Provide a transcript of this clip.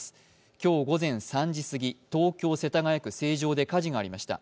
今日午前３時過ぎ、東京・世田谷区成城で火事がありました。